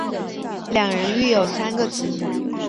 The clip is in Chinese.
两人育有三个子女。